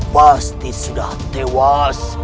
pasti sudah tewas